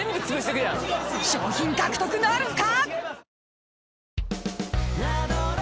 ［賞品獲得なるか⁉］